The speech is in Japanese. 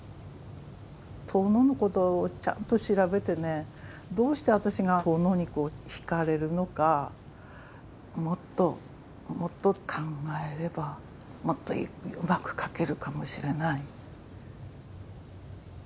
遠野のことちゃんと調べてねどうして私が遠野に惹かれるのかもっともっと考えればもっとうまく書けるかもしれない。